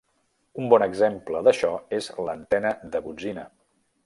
Un bon exemple d'això és l'antena de botzina.